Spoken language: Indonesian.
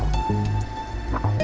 terima kasih pak chandra